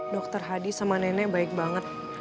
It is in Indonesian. dokter hadi sama nenek baik banget